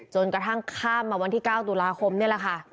จนกระทั่งข้ามมาวันที่๙ตุลาคมนี่แหละค่ะ